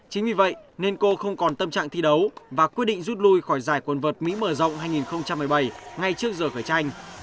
chính vì vậy nên cô không còn tâm trạng thi đấu và quyết định rút lui khỏi giải quần vợt mỹ mở rộng hai nghìn một mươi bảy ngay trước giờ khởi tranh